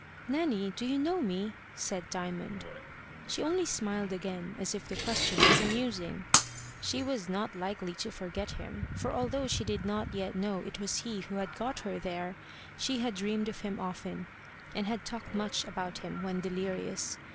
"Nanny, do you know me?" said Diamond. She only smiled again, as if the question was amusing. She was not likely to forget him; for although she did not yet know it was he who had got her there, she had dreamed of him often, and had talked much about him when delirious.